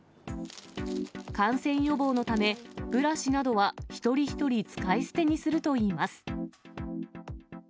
感染予防のため、ブラシなどは一人一人使い捨てにするといいます。